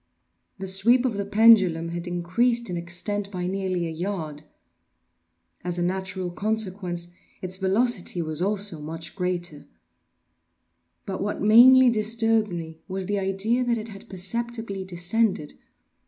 The sweep of the pendulum had increased in extent by nearly a yard. As a natural consequence, its velocity was also much greater. But what mainly disturbed me was the idea that had perceptibly descended.